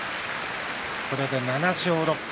これで７勝６敗。